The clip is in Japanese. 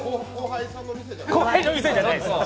後輩の店じゃないですか？